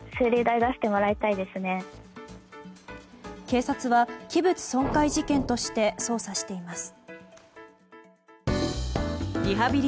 警察は器物損壊事件として捜査しています。